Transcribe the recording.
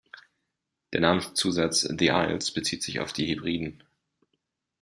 Der Namenszusatz "the Isles" bezieht sich auf die Hebriden.